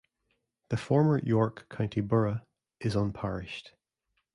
The former York County Borough is unparished.